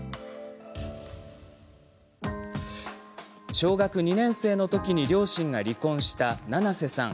小学２年生の時に両親が離婚した、ななせさん。